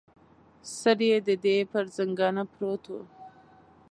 سر یې د دې پر زنګانه پروت و.